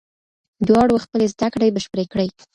دواړو خپلې زده کړې بشپړې کړې.